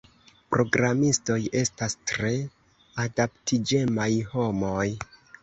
Programistoj estas tre adaptiĝemaj homoj.